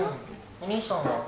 お兄さんは？